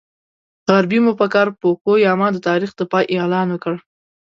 غربي مفکر فوکو یاما د تاریخ د پای اعلان وکړ.